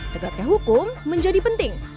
jadinya hukum menjadi penting